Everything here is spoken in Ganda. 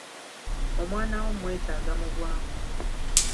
Omwana wo mmwetaaga mu bwangu.